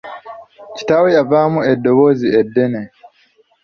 Kitaawe yavaamu eddoboozi eddene.